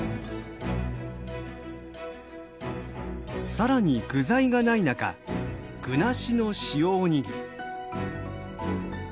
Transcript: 更に具材がない中具なしの塩おにぎり。